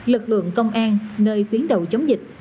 lực lượng công an nơi tuyến đầu chống dịch